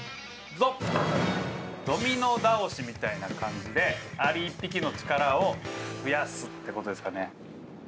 ドミノ倒しみたいな感じであり１匹の力を増やすってことですかね。